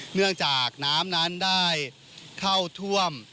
เนื่องจากน้ำนั้นได้เข้าท่วม